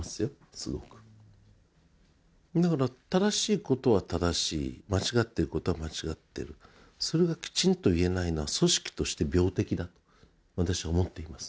すごくだから正しいことは正しい間違っていることは間違ってるそれがきちんと言えないのは組織として病的だと私は思っています